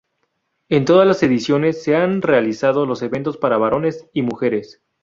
En todas las ediciones se han realizado los eventos para varones y mujeres.